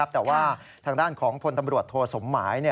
แต่ว่าทางด้านของพลตำรวจโทสมหมาย